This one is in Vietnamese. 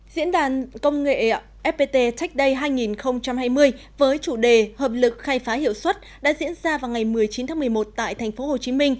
diễn đàn công nghệ fpt tech day hai nghìn hai mươi với chủ đề hợp lực khai phá hiệu suất đã diễn ra vào ngày một mươi chín tháng một mươi một tại tp hcm